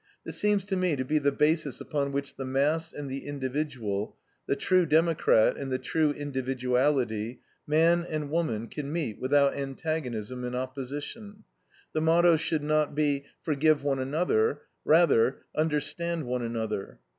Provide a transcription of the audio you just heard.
This seems to me to be the basis upon which the mass and the individual, the true democrat and the true individuality, man and woman, can meet without antagonism and opposition. The motto should not be: Forgive one another; rather, Understand one another.